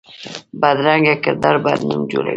بدرنګه کردار بد نوم جوړوي